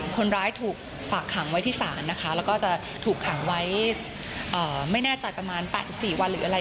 คนร้ายถูกฝากขังไว้ที่ศาลนะคะแล้วก็จะถูกขังไว้ไม่แน่ใจประมาณ๘๔วันหรืออะไร